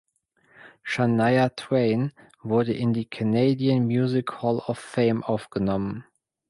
Shania Twain wurde in die Canadian Music Hall of Fame aufgenommen.